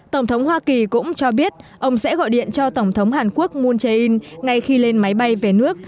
tổng thống hoa kỳ cũng cho biết ông sẽ gọi điện cho tổng thống hàn quốc moon jae in ngay khi lên máy bay về nước